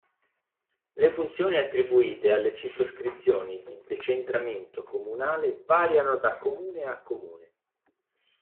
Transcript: Le funzioni attribuite alle circoscrizioni di decentramento comunale variano da comune a comune.